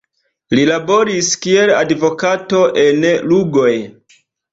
Li laboris kiel advokato en Lugoj.